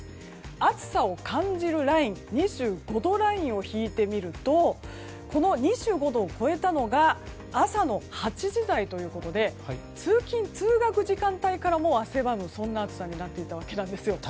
暑さを感じるライン２５度ラインを引いてみるとこの２５度を超えたの朝の８時台ということで通勤・通学時間帯からもう汗ばむという暑さになっていたわけなんですよ。